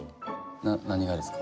な何がですか？